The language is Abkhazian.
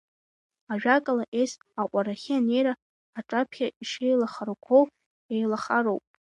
Ажәакала, ес аҟәарахьы анеира аҿаԥхьа ишеилахароу еилахароуп.